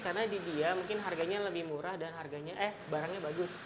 karena di dia mungkin harganya lebih murah dan harganya eh barangnya bagus